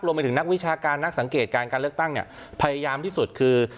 ไปถึงนักวิชาการนักสังเกตการการเลือกตั้งเนี่ยพยายามที่สุดคือ